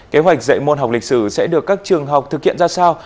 kế hoạch dạy môn học lịch sử sẽ được các trường học thực hiện ra sao